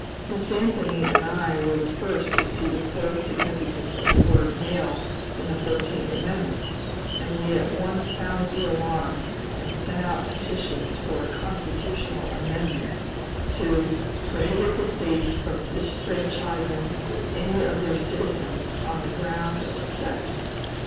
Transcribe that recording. Miss Anthony and I were the first to see the full significance of the word "male" in the Fourteenth Amendment, and we at once sounded the alarm, and sent out petitions for a constitutional amendment to "prohibit the States from disfranchising any of their citizens on the ground of sex."